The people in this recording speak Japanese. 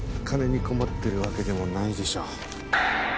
金に困ってるわけでもないでしょう。